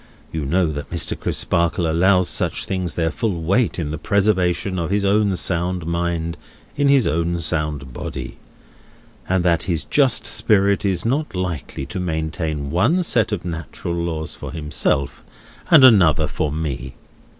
You know that Mr. Crisparkle allows such things their full weight in the preservation of his own sound mind in his own sound body, and that his just spirit is not likely to maintain one set of natural laws for himself and another for me.